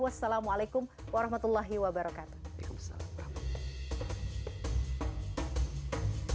wassalamualaikum warahmatullahi wabarakatuh